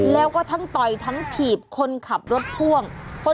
แล้วก็ทั้งต่อยทั้งถีบคนขับรถพ่วง